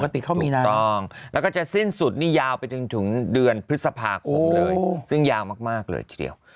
ติเขามีนะถูกต้องแล้วก็จะสิ้นสุดนี่ยาวไปจนถึงเดือนพฤษภาคมเลยซึ่งยาวมากเลยทีเดียว